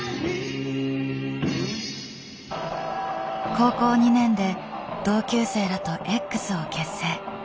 高校２年で同級生らと「Ｘ」を結成。